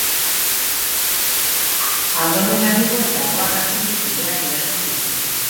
Abdomena igo eta hegoak astinduz airean bidaltzen dituzte.